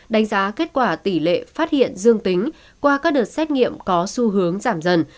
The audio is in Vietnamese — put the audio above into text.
đánh giá kết quả tỷ lệ phát hiện dương tính qua các đợt xét nghiệm có xu hướng giảm dần